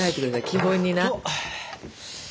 基本にな。